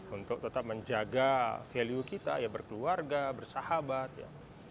untuk tetap menjaga value kita ya berkeluarga bersahabat ya